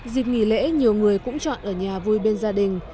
dịp nghỉ lễ nhiều người cũng chọn ở nhà vui bên gia đình